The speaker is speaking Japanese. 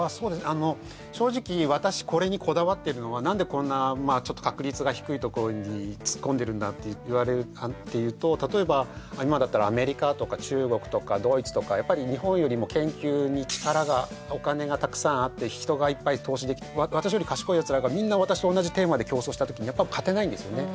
あの正直私これにこだわってるのは何でこんなまあちょっと確率が低いとこに突っ込んでるんだって言われると例えば今だったらアメリカとか中国とかドイツとかやっぱり日本よりも研究に力がお金がたくさんあって人がいっぱい投資できて私より賢いやつらがみんな私と同じテーマで競争した時にやっぱ勝てないんですよね